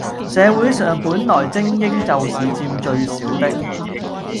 社會上本來精英就是佔最少的